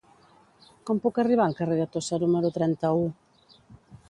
Com puc arribar al carrer de Tossa número trenta-u?